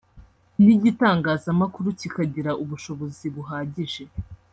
n’igitangazamakuru kikagira ubushobozi buhagije”